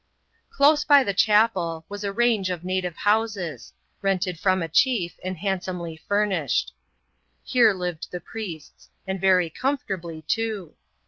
Close by the chapel, was a range of native houses ; rented from a chief, and handsomely furnished. Here lived the priests; and very comfortably too.